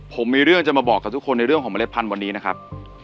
ผมมีเรื่องจะมาบอกกับทุกคนในเรื่องของเมล็ดพันธุ์วันนี้นะครับ